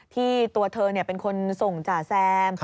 ตัวเธอเป็นคนส่งจ่าแซม